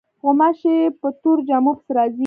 غوماشې په تورو جامو پسې راځي.